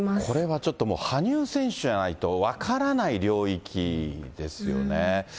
これはちょっと、もう羽生選手じゃないと分からない領域ですよね。